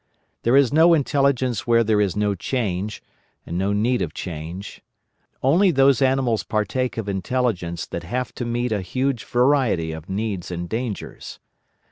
There is no intelligence where there is no change and no need of change. Only those animals partake of intelligence that have to meet a huge variety of needs and dangers.